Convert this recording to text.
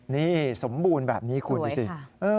นี่สมบูรณ์แบบนี้คุณดูสิ